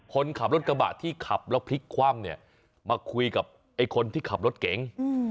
คนขับรถกระบะที่ขับแล้วพลิกคว่ำเนี่ยมาคุยกับไอ้คนที่ขับรถเก๋ง